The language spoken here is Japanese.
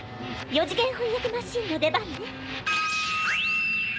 ４次元翻訳マシーンの出番ね。